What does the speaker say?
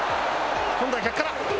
今度は逆から。